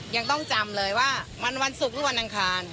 ยังต้องจำเลยว่ามันวันศุกร์หรือวันอังคาร